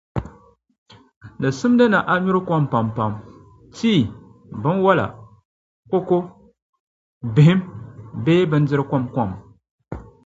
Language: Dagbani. di simdi ni a nyuri kom pampam, tii, binwala, koko, bihim bee bindiri' komkom.